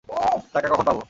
টাকা কখন পাবো?